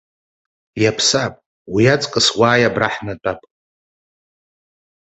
Иаԥсам, уи аҵкыс, уааи абра ҳнатәап.